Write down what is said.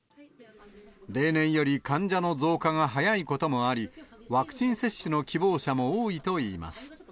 例年より患者の増加が早いこともあり、ワクチン接種の希望者も多いといいます。